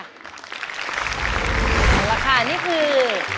เอาละค่ะนี่คือ